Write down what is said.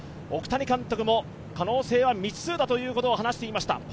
奥谷監督も可能性は未知数だということを話していました。